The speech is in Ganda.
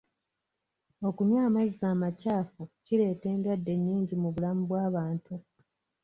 Okunywa amazzi amakyafu kireeta endwadde nnyingi mu bulamu bw'abantu.